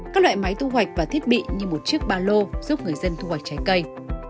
các loại máy thu hoạch và thiết bị như một chiếc ba lô giúp người dân thu hoạch trái cây